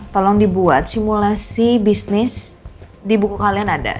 tolong dibuat simulasi bisnis di buku kalian ada